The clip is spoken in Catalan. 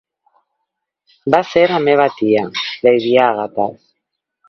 Va ser a la meva tia, Lady Agatha's.